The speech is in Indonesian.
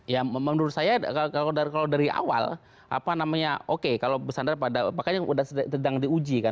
ya menurut saya kalau dari awal apa namanya oke kalau bersandar pada makanya udah sedang diuji kan